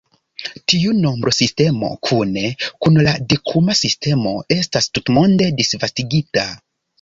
Tiu nombrosistemo, kune kun la Dekuma sistemo, estas tutmonde disvastigita.